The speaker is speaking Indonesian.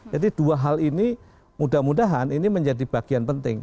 jadi dua hal ini mudah mudahan ini menjadi bagian penting